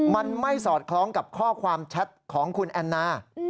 มันไม่สอดคล้องกับข้อความแชทของคุณแอนนา